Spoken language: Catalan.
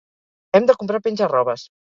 Hem de comprar penja-robes.